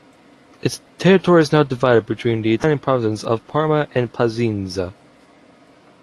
Its territory is now divided between the Italian provinces of Parma and Piacenza.